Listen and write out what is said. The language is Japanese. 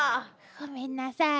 ごめんなさい。